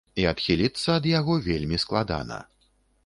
І адхіліцца ад яго вельмі складана.